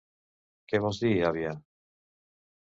Què vols dir, àvia?